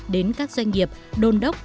đến các doanh nghiệp đôn đốc